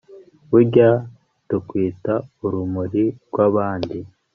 burya tukwita urumuri rw'abandi